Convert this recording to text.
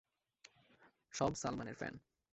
সব সালমানের ফ্যান।